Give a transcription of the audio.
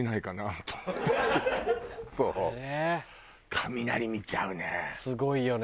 雷見ちゃうね。